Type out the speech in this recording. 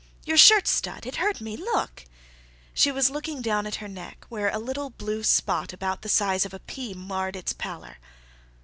"Your shirt stud—it hurt me—look!" She was looking down at her neck, where a little blue spot about the size of a pea marred its pallor.